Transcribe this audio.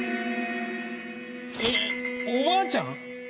えっおばあちゃん！？